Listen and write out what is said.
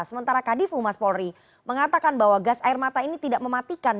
sementara kadif humas polri mengatakan bahwa gas air mata ini tidak mematikan